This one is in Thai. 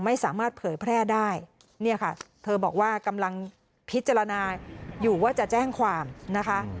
ไม่สามารถเผยแพร่ได้เนี่ยค่ะเธอบอกว่ากำลังพิจารณาอยู่ว่าจะแจ้งความนะคะ